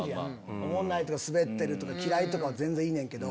おもんないとかスベってるとか嫌いとかは全然いいねんけど。